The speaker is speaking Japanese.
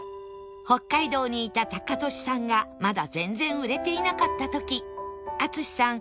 北海道にいたタカトシさんがまだ全然売れていなかった時淳さん